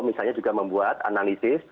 misalnya juga membuat analisis